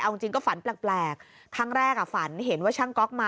เอาจริงก็ฝันแปลกครั้งแรกฝันเห็นว่าช่างก๊อกมา